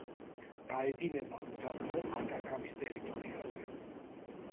გაედინება უდაბნო ატაკამის ტერიტორიაზე.